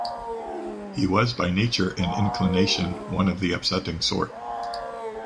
He was by nature and inclination one of the upsetting sort.